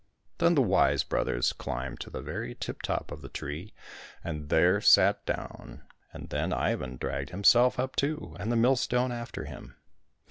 Then the wise brothers climbed to the very tip top of the tree and there sat down, and then Ivan dragged himself up too, and the millstone after him.